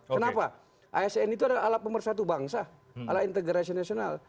kenapa asn itu adalah alat pemersatu bangsa alat integrasi nasional